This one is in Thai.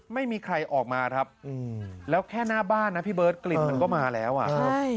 ไม่มีใครออกมาครับแล้วแค่หน้าบ้านนะพี่เบิร์ตกลิ่นมันก็มาแล้วอ่ะครับ